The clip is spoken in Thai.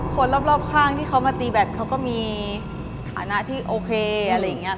คนรอบข้างที่เขามาตีแบตเขาก็มีฐานะที่โอเคอะไรอย่างนี้